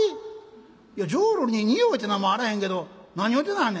いや浄瑠璃に匂いっていうのはあらへんけど何を言うてなはんねん」。